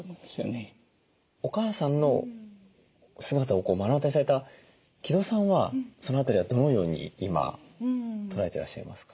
おかあさんの姿を目の当たりにされた城戸さんはその辺りはどのように今捉えてらっしゃいますか？